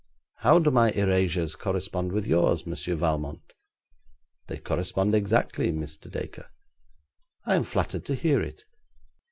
How do my erasures correspond with yours, Monsieur Valmont?' 'They correspond exactly, Mr. Dacre.' 'I am flattered to hear it.